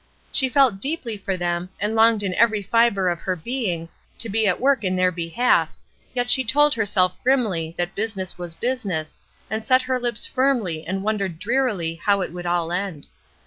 She felt deeply for them, and longed in every fibre of her being to be at work in their behalf, yet she told herself grimly that business was business, and set her lips firmly and wondered drearily how it would all end.